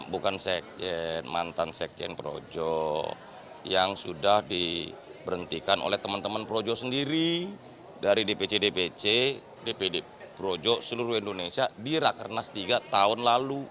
bukan sekjen mantan sekjen projo yang sudah diberhentikan oleh teman teman projo sendiri dari dpc dpc dpd projo seluruh indonesia di rakernas tiga tahun lalu